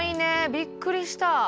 びっくりした。